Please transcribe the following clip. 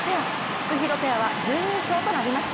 フクヒロペアは準優勝となりました。